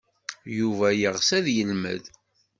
Yuba yeɣs ad yelmed.